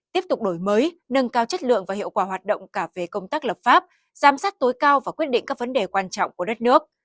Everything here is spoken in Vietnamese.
tiếp tục đổi mới nâng cao chất lượng và hiệu quả hoạt động cả về công tác lập pháp giám sát tối cao và quyết định các vấn đề quan trọng của đất nước